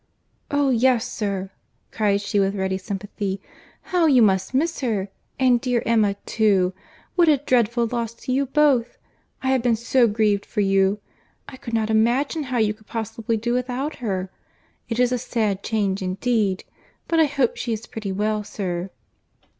"Oh yes, sir," cried she with ready sympathy, "how you must miss her! And dear Emma, too!—What a dreadful loss to you both!—I have been so grieved for you.—I could not imagine how you could possibly do without her.—It is a sad change indeed.—But I hope she is pretty well, sir."